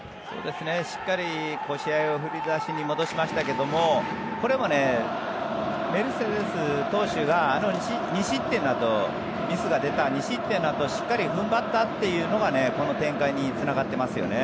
しっかり試合を振り出しに戻しましたけどこれも、メルセデス投手があの２失点のあとミスが出た２失点のあとしっかり踏ん張ったというのがこの展開につながってますよね。